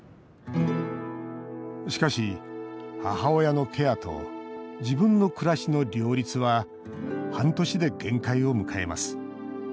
しかし、母親のケアと自分の暮らしの両立は半年で限界を迎えます。